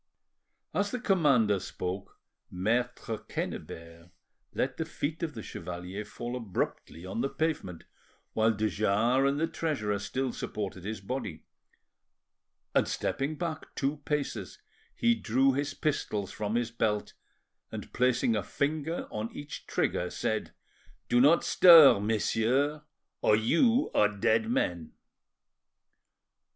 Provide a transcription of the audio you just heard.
As the commander spoke, Maitre Quennebert let the feet of the chevalier fall abruptly on the pavement, while de Jars and the treasurer still supported his body, and, stepping back two paces, he drew his pistols from his belt, and placing a finger on each trigger, said— "Do not stir, messieurs, or you are dead men."